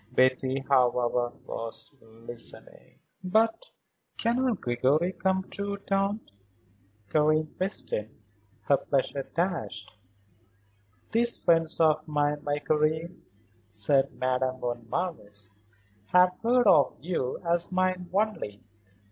Betty, however, was listening. "But cannot Gregory come, too, Tante?" Karen questioned, her pleasure dashed. "These friends of mine, my Karen," said Madame von Marwitz, "have heard of you as mine only.